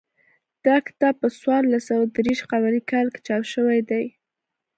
دا کتاب په څوارلس سوه دېرش قمري کال کې چاپ شوی دی